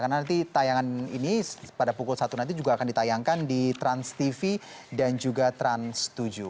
karena nanti tayangan ini pada pukul satu nanti juga akan ditayangkan di transtv dan juga trans tujuh